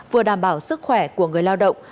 vừa đảm bảo sức khỏe của người lao động